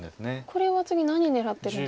これは次何狙ってるんでしょう？